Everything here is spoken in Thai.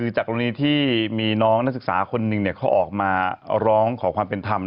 จากรวมนี้มีน้องนักศึกษาคนหนึ่งออกมาถือกรองขอความเป็นธรรม